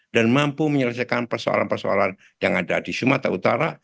dan mampu menyelesaikan persoalan persoalan yang ada di sumatera utara